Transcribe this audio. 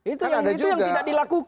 itu yang tidak dilakukan